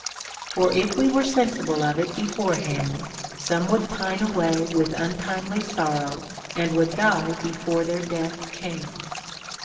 For if we were sensible of it beforehand, some would pine away with untimely sorrow, and would die before their death came.